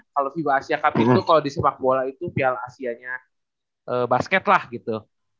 kalau fiba asia cup itu kalau di sepak bola itu piala asianya basket lah gitu